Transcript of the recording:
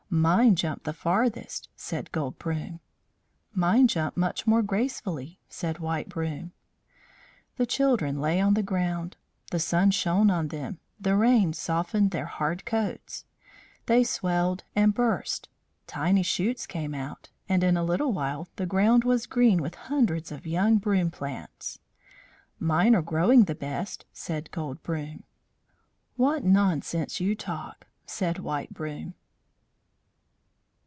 "Mine jump the farthest," said Gold Broom. "Mine jump much more gracefully," said White Broom. The children lay on the ground. The sun shone on them, the rain softened their hard coats. They swelled and burst, tiny shoots came out, and in a little while the ground was green with hundreds of young broom plants. "Mine are growing the best," said Gold Broom. "What nonsense you talk!" said White Broom.